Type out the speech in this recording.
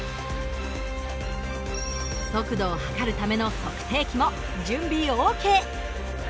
速度を測るための測定器も準備オーケー。